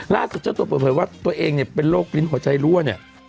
ล่าสุดจะตรวจบอกว่าตัวเองเนี่ยเป็นโรคลิ้นหัวใจรั่วเนี่ย